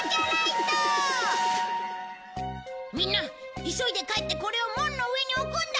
みんな急いで帰ってこれを門の上に置くんだ！